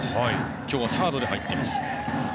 今日はサードで入っています清宮。